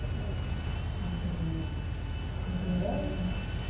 色彩といい作風といい。